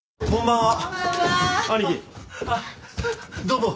どうも。